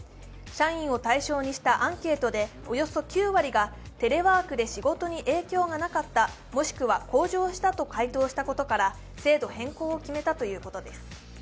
社員を対象にしたアンケートでおよそ９割がテレワークで仕事に影響がなかった、もしくは向上したと回答したことから制度変更を決めたということです。